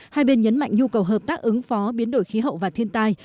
hai bên nhấn mạnh nhu cầu hợp tác ứng phó biến đổi khí hậu và thiên tai